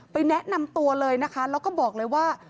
แนะนำตัวเลยนะคะแล้วก็บอกเลยว่า